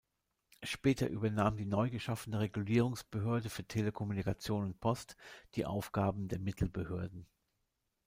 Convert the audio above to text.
Später übernahm die neu geschaffene Regulierungsbehörde für Telekommunikation und Post die Aufgaben der Mittelbehörden.